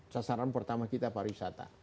sasaran pertama kita para wisata